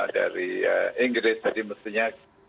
dari inggris jadi mestinya